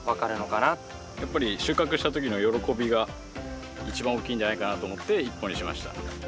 やっぱり収穫した時の喜びが一番大きいんじゃないかなと思って１本にしました。